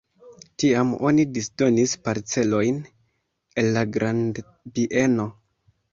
Tiam oni disdonis parcelojn el la grandbieno.